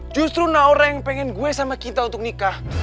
justru naura yang pengen gue sama kinta untuk nikah